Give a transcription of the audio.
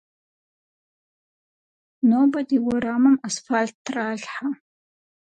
Нобэ ди уэрамым асфалът тралъхьэ.